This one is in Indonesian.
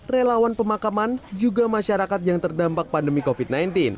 relawan pemakaman juga masyarakat yang terdampak pandemi covid sembilan belas